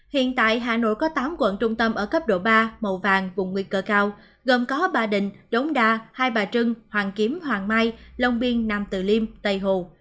hiện tại hà nội có tám quận trung tâm ở cấp độ ba màu vàng vùng nguy cơ cao gồm có ba đình đống đa hai bà trưng hoàn kiếm hoàng mai long biên nam tử liêm tây hồ